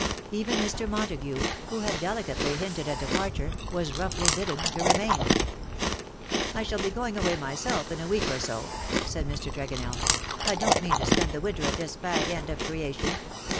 Even Mr. Montagu, who had delicately hinted at departure, was roughly bidden to remain. " I shall be going away myself in a week or so,^' said Mr. Tregonell. " I don^t mean to spend the winter at this fag end of creation.